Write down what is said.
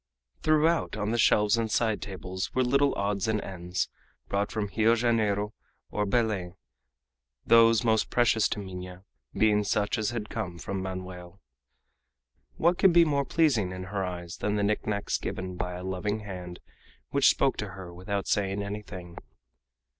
Throughout on the shelves and side tables were little odds and ends, brought from Rio Janeiro or Belem, those most precious to Minha being such as had come from Manoel. What could be more pleasing in her eyes than the knickknacks given by a loving hand which spoke to her without saying anything?